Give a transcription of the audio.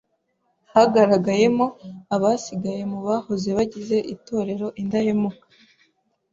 hagaragayemo abasigaye mu bahoze bagize Itorero Indahemuka